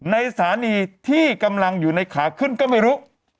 ในสถานีที่กำลังอยู่ในขาขึ้นก็ไม่รู้